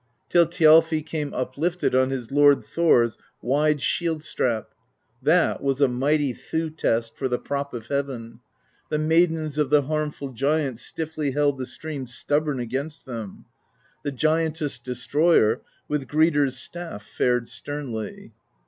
Till Thjalfi came uplifted On his lord Thor's wide shield strap: That was a mighty thew test For the Prop of Heaven; the maidens Of the harmful giant stiffly Held the stream stubborn against them; The Giantess Destroyer With Gridr's stafF fared sternly.